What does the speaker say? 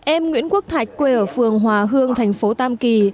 em nguyễn quốc thạch quê ở phường hòa hương thành phố tam kỳ